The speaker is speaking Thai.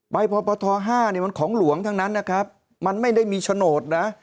พปท๕มันของหลวงทั้งนั้นนะครับมันไม่ได้มีโฉนดนะ